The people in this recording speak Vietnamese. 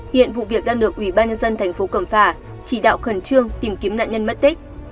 hiện vụ việc đang được ủy ban nhân dân thành phố cẩm phả chỉ đạo khẩn trương tìm kiếm nạn nhân mất tích